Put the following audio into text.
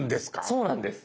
そうなんです。